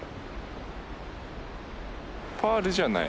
パールじゃない？